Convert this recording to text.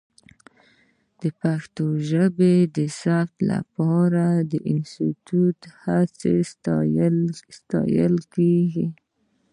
د پښتو ژبې د ثبت لپاره د انسټیټوت هڅې ستایلې کېږي.